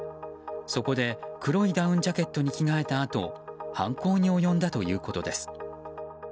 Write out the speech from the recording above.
そこで黒いダウンジャケットに着替えたあと犯行に及んだということです。